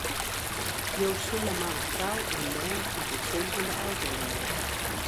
Jo sille mar in frou en bern út in sinkende auto rêde.